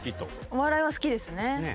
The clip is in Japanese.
お笑いは好きですね。